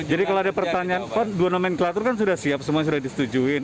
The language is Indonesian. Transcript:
jadi kalau ada pertanyaan pak dua nomenklatur kan sudah siap semua sudah disetujui